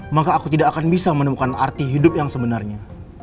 maka aku tidak akan bisa menemukan arti hidup yang sebenarnya